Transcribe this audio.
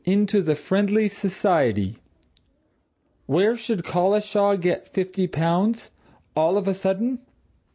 into the Friendly Society. Where should Collishaw get fifty pounds, all of a sudden!